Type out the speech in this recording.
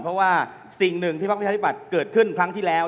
เพราะว่าสิ่งหนึ่งที่พักประชาธิบัติเกิดขึ้นครั้งที่แล้ว